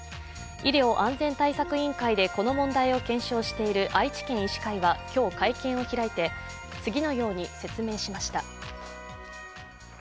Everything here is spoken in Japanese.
医療安全対策委員会でこの問題を検証している愛知県医師会は、今日会見を開いて次のように説明しました。